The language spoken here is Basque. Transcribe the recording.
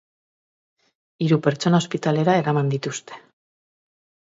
Hiru pertsona ospitalera eraman dituzte.